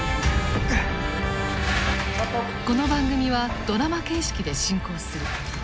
この番組はドラマ形式で進行する。